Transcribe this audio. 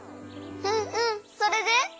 うんうんそれで？